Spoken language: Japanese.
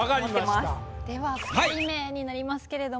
では２人目になりますけれども。